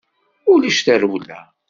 Ulac tarewla.